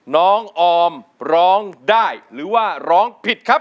น้องออมร้องได้หรือว่าร้องผิดครับ